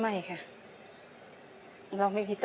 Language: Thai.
ไม่ค่ะเราไม่ผิดจ้ะ